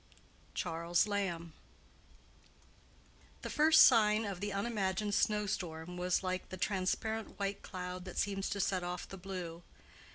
—CHARLES LAMB. The first sign of the unimagined snow storm was like the transparent white cloud that seems to set off the blue.